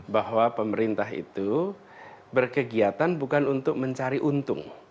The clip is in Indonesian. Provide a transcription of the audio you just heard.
bahwa pemerintah itu berkegiatan bukan untuk mencari untung